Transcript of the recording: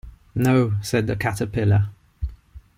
‘No,’ said the Caterpillar.